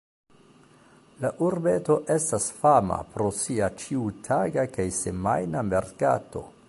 La urbeto estas fama pro sia ĉiutaga kaj semajna merkato.